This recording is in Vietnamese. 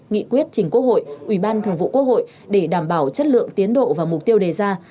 nghị quyết trình quốc hội ủy ban thường vụ quốc hội để đảm bảo chất lượng tiến độ và mục tiêu đề ra